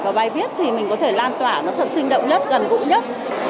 và bài viết thì mình có thể lan tỏa nó thật sinh động nhất gần gũi nhất